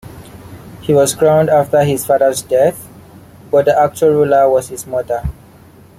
He was crowned after father's death, but the actual ruler was his mother.